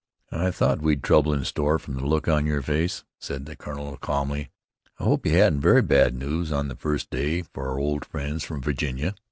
"I thought we'd trouble in store from the look on your face," said the colonel calmly. "I hope you haven't very bad news on the first day, for our old friends from Virginia."